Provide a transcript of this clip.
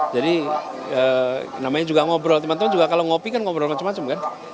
jadi namanya juga ngobrol teman teman juga kalau ngopi kan ngobrol macam macam kan